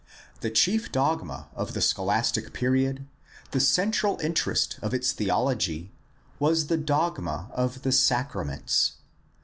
The chief dogma of the scholastic period, the central interest of its theology, was the dogma of the sacraments.